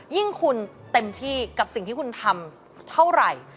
ยิ่งคุณเต็มที่กับสิ่งที่คุณทำเท่าไหร่